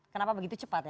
kenapa begitu cepat ya